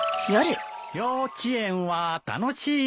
幼稚園は楽しいな。